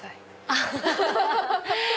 アハハハ。